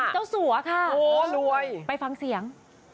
เจ้าสัวค่ะไปฟังเสียง